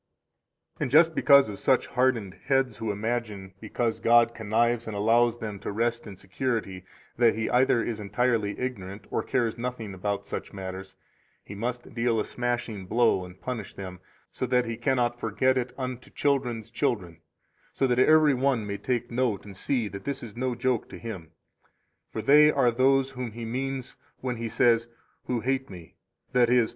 37 And just because of such hardened heads who imagine because God connives and allows them to rest in security, that He either is entirely ignorant or cares nothing about such matters, He must deal a smashing blow and punish them, so that He cannot forget it unto children's children; so that every one may take note and see that this is no joke to Him. 38 For they are those whom He means when He says: Who hate Me, i.e.